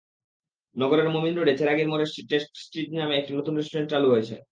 নগরের মোমিন রোডে চেরাগীর মোড়ে টেস্টটিজ নামে একটি নতুন রেস্টুরেন্ট চালু হয়েছে।